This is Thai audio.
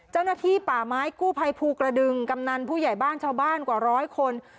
เจ้าหน้าที่ป่าไม้กู้ภัยภูกระดึงกำนันผู้ใหญ่บ้านชาวบ้านกว่าร้อยคน